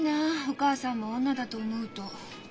お母さんも女だと思うと。